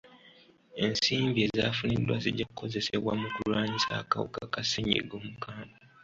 Ensimbi ezaafuniddwa zijja kukozesebwa mu kulwanyisa akawuuka ka ssenyigga omukambwe.